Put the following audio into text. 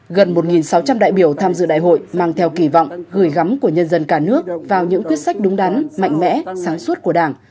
gần một sáu trăm linh đại biểu tham dự đại hội mang theo kỳ vọng gửi gắm của nhân dân cả nước vào những quyết sách đúng đắn mạnh mẽ sáng suốt của đảng